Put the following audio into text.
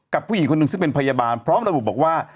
ผู้หญิงคนหนึ่งซึ่งเป็นพยาบาลพร้อมระบุบอกว่า